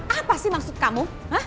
apa sih maksud kamu